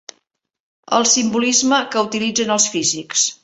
El simbolisme que utilitzen els físics.